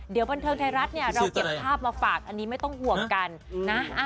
เดี๋ยวบันเทิงไทยรัฐเนี่ยเราเก็บภาพมาฝากอันนี้ไม่ต้องห่วงกันนะ